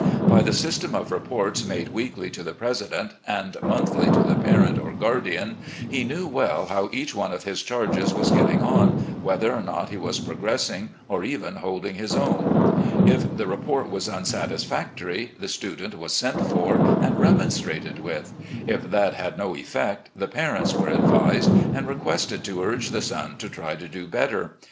By the system of reports made weekly to the president, and monthly ■to the parent or guardian, he knew well how each one of his charges ■was getting on, whether or not he was progressing, or even holding his O'wn. If the report was unsatisfactory, the student ■was sent for and remonstrated with. If that had no effect, the parents were ad'vised, and requested to AN ADVISER OP YOUNG MEN 295 uige the son to try to do better.